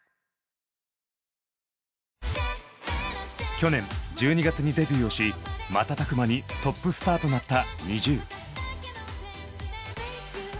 去年１２月にデビューをし瞬く間にトップスターとなったＮｉｚｉＵ。